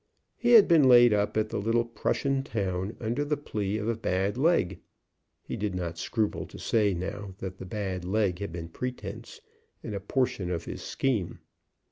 He had been laid up at the little Prussian town under the plea of a bad leg. He did not scruple to say now that the bad leg had been pretence, and a portion of his scheme.